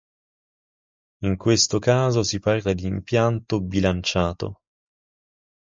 In questo caso si parla di "impianto bilanciato".